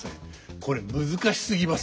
これ難しすぎます。